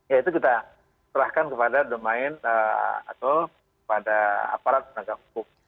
ya itu kita serahkan kepada domain atau kepada aparat penegak hukum